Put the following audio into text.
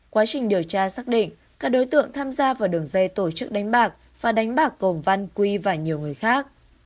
quá trình điều tra xác định các đối tượng tham gia vào đường dây tổ chức đánh bạc và đánh bạc gồm văn quy và nhiều người khác